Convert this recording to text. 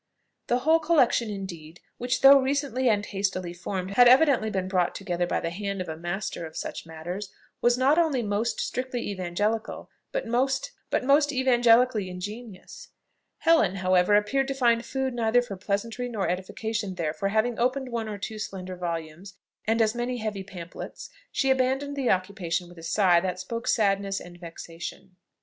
The whole collection indeed, which though recently and hastily formed, had evidently been brought together by the hand of a master of such matters, was not only most strictly evangelical, but most evangelically ingenious. Helen, however, appeared to find food neither for pleasantry nor edification there; for having opened one or two slender volumes, and as many heavy pamphlets, she abandoned the occupation with a sigh, that spoke sadness and vexation.